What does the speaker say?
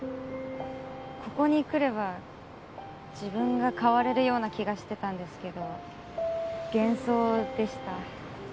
ここに来れば自分が変われるような気がしてたんですけど幻想でした。